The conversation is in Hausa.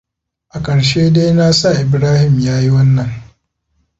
A karshe dai na sa Ibrahim ya yi wannan.